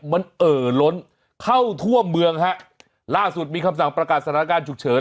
มันเอ่อล้นเข้าทั่วเมืองฮะล่าสุดมีคำสั่งประกาศสถานการณ์ฉุกเฉิน